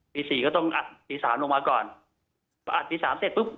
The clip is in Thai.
ปี๔ก็ต้องอัดปี๓ลงมาก่อนอัดปี๓เสร็จปุ๊บ